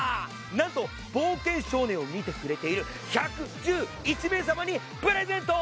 何と「冒険少年」を見てくれている１１１名様にプレゼント！